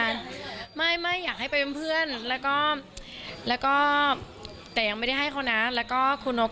รีบออกด้วยกัน